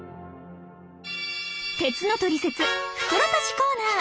鉄のトリセツ袋とじコーナー